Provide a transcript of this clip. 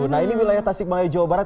nah ini wilayah tasik malaya jawa barat